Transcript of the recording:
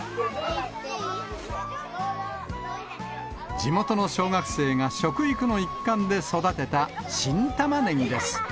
地元の小学生が食育の一環で育てた新タマネギです。